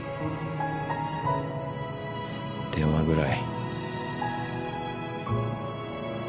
電話ぐらい。